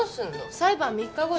裁判３日後よ